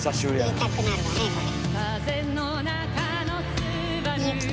言いたくなるわねこれ。